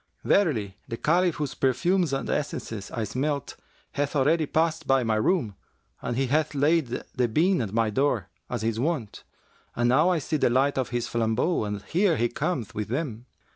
Verily, the Caliph whose perfumes and essences I smelt, hath already passed by my room and he hath laid the bean at my door, as his wont; and now I see the light of his flambeaux, and here he cometh with them.'